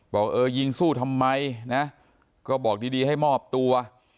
บอกเออยิงสู้ทำไมนะก็บอกดีให้มอบตัว